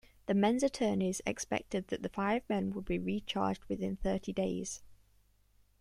The men's attorneys expected that the five men would be re-charged within thirty days.